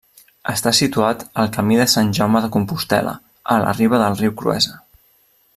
Està situat al Camí de Sant Jaume de Compostel·la, a la riba del riu Cruesa.